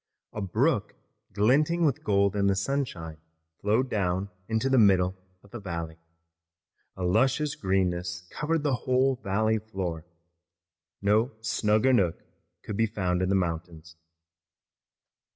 A brook glinting with gold in the sunshine flowed down the middle of the valley. A luscious greenness covered the whole valley floor. No snugger nook could be found in the mountains.